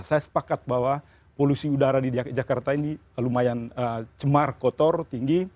saya sepakat bahwa polusi udara di jakarta ini lumayan cemar kotor tinggi